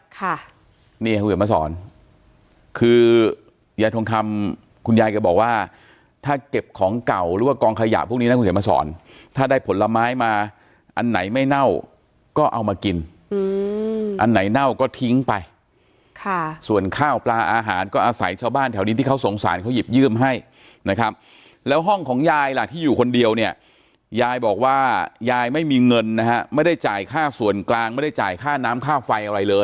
ค่ะนี่คุณจะมาสอนคืออย่าทงคำคุณยายจะบอกว่าถ้าเก็บของเก่าหรือว่ากองขยะพวกนี้นะคุณจะมาสอนถ้าได้ผลไม้มาอันไหนไม่เน่าก็เอามากินอืมอันไหนเน่าก็ทิ้งไปค่ะส่วนข้าวกลาอาหารก็อาศัยชาวบ้านแถวนี้ที่เขาสงสารเขาหยิบยืมให้นะครับแล้วห้องของยายล่ะที่อยู่คนเดียวเนี่ยยายบอกว่ายายไม่มีเงินนะฮะไม